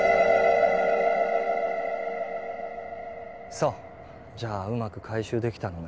そうじゃうまく回収できたのね